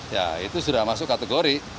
ya itu sudah masuk kategori